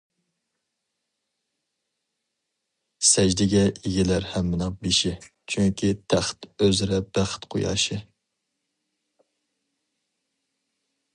سەجدىگە ئېگىلەر ھەممىنىڭ بېشى، چۈنكى تەخت ئۆزرە بەخت قۇياشى.